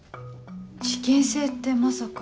事件性ってまさか。